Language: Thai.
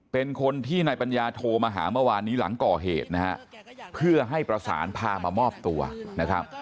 เป็นคนที่นายปัญญาโทรมาหาเมื่อวานนี้หลังก่อเหตุนะฮะเพื่อให้ประสานพามามอบตัวนะครับ